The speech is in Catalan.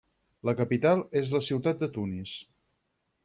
La capital és la ciutat de Tunis.